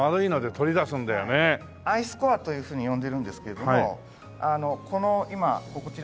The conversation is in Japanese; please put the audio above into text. アイスコアというふうに呼んでいるんですけどもこの今こちらに展示しているのが。